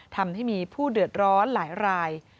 ทำให้มีผู้เดือดร้อนหลายราย